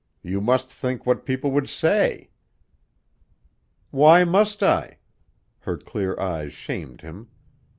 You must think what people would say!" "Why must I?" Her clear eyes shamed him.